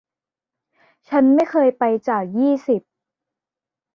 ฉันไม่เคยไปจากยี่สิบ